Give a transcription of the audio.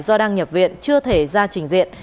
do đang nhập viện chưa thể ra trình diện